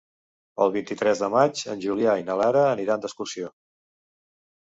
El vint-i-tres de maig en Julià i na Lara aniran d'excursió.